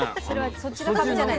そっちの株じゃない。